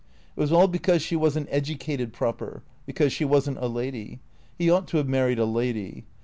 It was all because she was n't educated proper, because she was n't a lady. He ought to have married a lady.